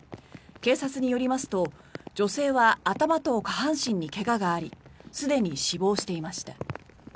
警察によりますと女性は頭と下半身に怪我がありすでに死亡していました。